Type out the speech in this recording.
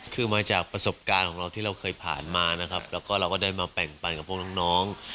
คือมาจากประสบการณ์ของเราที่เราเคยผ่านมานะครับแล้วก็เราก็ได้มาแบ่งปันกับพวกน้อง